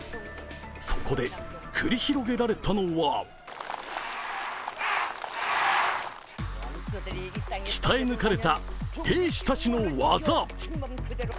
そこで繰り広げられたのは鍛え抜かれた兵士たちの技。